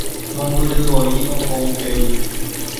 Mombyryvoi oho upégui.